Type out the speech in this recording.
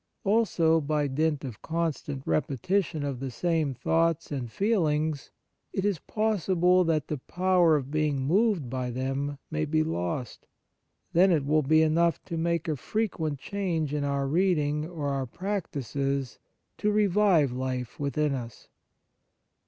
Also, by dint of constant repetition of the same thoughts and feelings, it is possible that the power of being moved by them may be lost ; then it will be enough to make a frequent change in our reading or our practices to revive life within us.